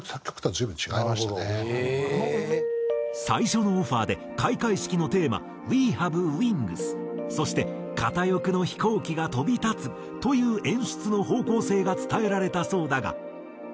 最初のオファーで開会式のテーマ「ＷＥＨＡＶＥＷＩＮＧＳ」そして「片翼の飛行機が飛び立つ」という演出の方向性が伝えられたそうだが。